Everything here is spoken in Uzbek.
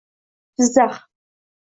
Jizzax